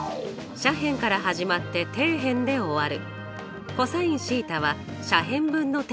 底辺から始まって対辺で終わる。